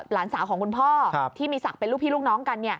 หลานสาวของคุณพ่อที่มีศักดิ์เป็นลูกพี่ลูกน้องกัน